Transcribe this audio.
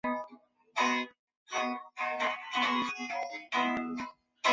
它们是阿巴拉契亚山脉的组成部分。